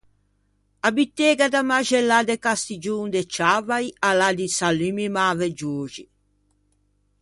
A butega da maxellâ de Castiggion de Ciavai a l'à di salummi mäveggioxi.